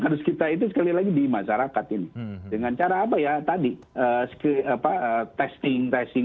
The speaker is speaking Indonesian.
harus kita itu sekali lagi di masyarakat ini dengan cara apa ya tadi apa testing tracing